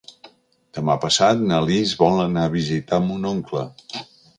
Demà passat na Lis vol anar a visitar mon oncle.